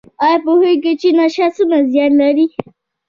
ایا پوهیږئ چې نشه څومره زیان لري؟